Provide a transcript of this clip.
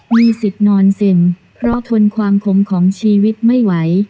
มีสิทธิ์นอนเซ็นเพราะทนความคมของชีวิตไม่ไหว